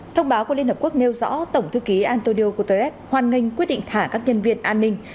thông báo của liên hợp quốc nêu rõ tổng thư ký antonio guterres hoan nghênh quyết định thả các nhân viên an ninh